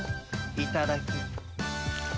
いただき。